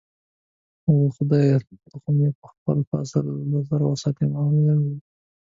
اوه، خدایه، ته خو مې په خپل فضل سره وساتې. ما په ویره وویل.